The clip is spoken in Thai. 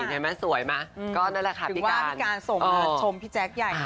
ถึงว่าพี่การส่งมาชมพี่แจ๊คใหญ่